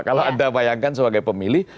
kalau anda bayangkan sebagai pemilih